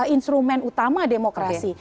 instrumen utama demokrasi